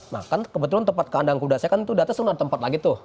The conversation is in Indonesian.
nah kan kebetulan tempat kandang kuda saya kan itu di atas kan ada tempat lagi tuh